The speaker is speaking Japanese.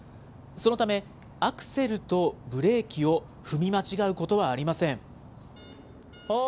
そのため、アクセルとブレーキを踏み間違うことはありません。